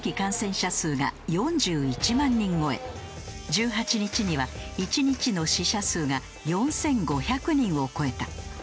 １８日には１日の死者数が４５００人を超えた。